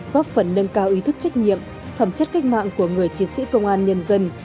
góp phần nâng cao ý thức trách nhiệm phẩm chất cách mạng của người chiến sĩ công an nhân dân